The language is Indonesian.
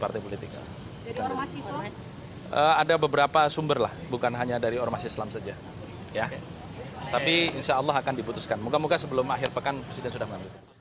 tapi insya allah akan diputuskan moga moga sebelum akhir pekan presiden sudah mengambil